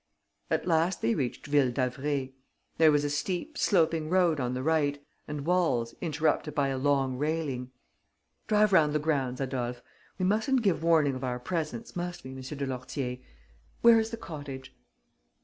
At last they reached Ville d'Avray. There was a steep, sloping road on the right and walls interrupted by a long railing. "Drive round the grounds, Adolphe. We mustn't give warning of our presence, must we, M. de Lourtier? Where is the cottage?"